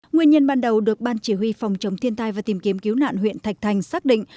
nguyên nhân ban đầu được ban chỉ huy phòng chống thiên tai và tìm kiếm cứu nạn huyện thạch thành xác định